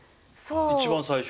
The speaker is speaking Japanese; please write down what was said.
一番最初。